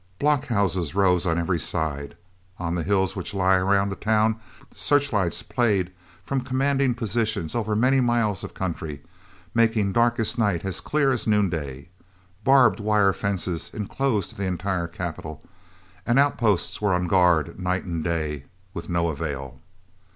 Blockhouses rose on every side; on the hills which lie around the town searchlights played from commanding positions over many miles of country, making darkest night as clear as noonday; barbed wire fences enclosed the entire capital, and outposts were on guard night and day with no avail!